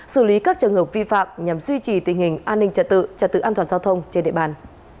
xử lý các trường hợp vi phạm nhằm duy trì tình hình an ninh trật tự trật tự an toàn giao thông trên địa bàn